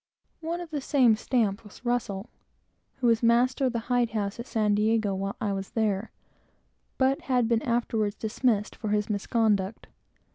One of the same stamp was Russell, who was master of the hide house at San Diego, while I was there, and afterwards turned away for his misconduct.